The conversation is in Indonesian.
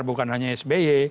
bukan hanya sby